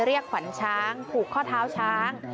ขวัญช้างผูกข้อเท้าช้าง